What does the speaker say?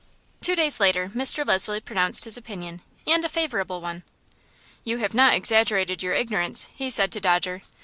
Two days later Mr. Leslie pronounced his opinion, and a favorable one. "You have not exaggerated your ignorance," he said to Dodger.